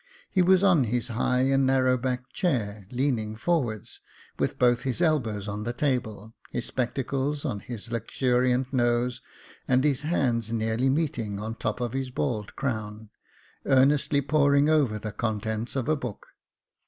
He was on his high and narrow backed chair, leaning forwards, with both elbows on the table, his spectacles on his luxuriant nose, and his hands nearly meeting on the top of his bald crown, earnestly poring over the contents of a book.